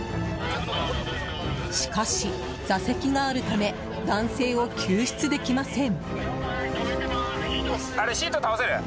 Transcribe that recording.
しかし、座席があるため男性を救出できません。